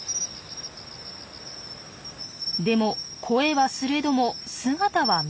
でも声はすれども姿は見えず。